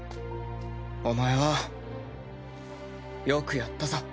お前はよくやったさ。